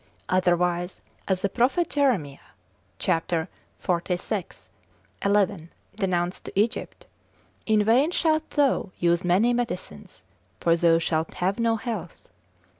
Otherwise as the prophet Jeremiah, cap. xlvi. 11. denounced to Egypt, In vain shalt thou use many medicines, for thou shalt have no health.